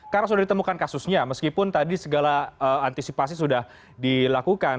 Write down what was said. karena sudah ditemukan kasusnya meskipun tadi segala antisipasi sudah dilakukan